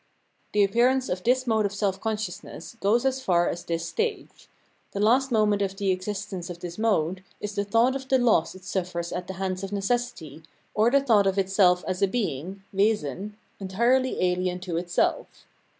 The appearance of this mode of self consciousness goes as far as this stage. The last moment of the exist ence of this mode is the thought of the loss it suffers at the hands of necessity, or the thought of itself as a being (Wesen) entirely ahen to itself.